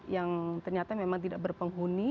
yang ternyata memang tidak berpenghuni